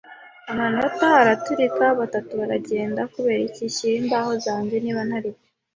“Amanota!” araturika. “Batatu baragenda! Kuberiki, shyira imbaho zanjye, niba ntaribyo